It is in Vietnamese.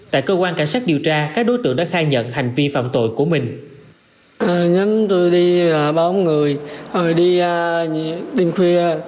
tại cơ quan cảnh sát điều tra các đối tượng đã khai nhận hành vi phạm tội của mình